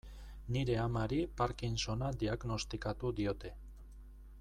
Nire amari Parkinsona diagnostikatu diote.